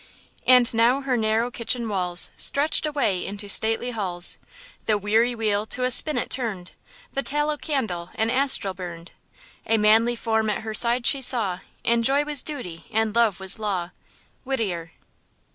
And now her narrow kitchen walls Stretched away into stately halls; The weary wheel to a spinnet turned, The tallow candle an astral burned; A manly form at her side she saw, And joy was duty and love was law. –WHITTIER.